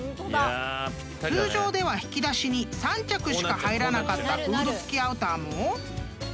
［通常では引き出しに３着しか入らなかったフード付きアウターも］